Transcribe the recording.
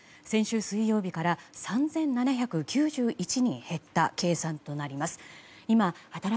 先週水曜日から３７９１人減った計算となります。